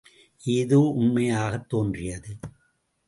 ஏதோ உண்மையாகத் தோன்றியது.